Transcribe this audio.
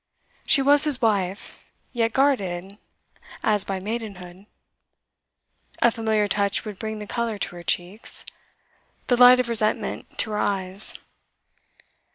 She was his wife, yet guarded as by maidenhood. A familiar touch would bring the colour to her cheeks, the light of resentment to her eyes.